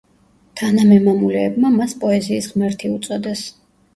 თანამემამულეებმა მას პოეზიის ღმერთი უწოდეს.